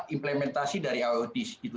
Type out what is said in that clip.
implementasi dari iot itu